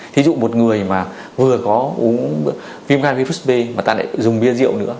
thí dụ một người mà vừa có uống virus b mà ta lại dùng bia rượu nữa